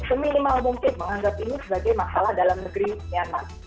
seminimal mungkin menganggap ini sebagai masalah dalam negeri myanmar